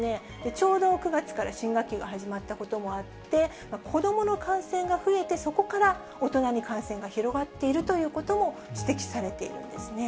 ちょうど９月から新学期が始まったこともあって、子どもの感染が増えて、そこから大人に感染が広がっているということも指摘されているんですね。